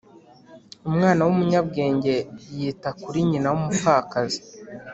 umwana wumunyabwenge, yita kuri nyina w’umupfakazi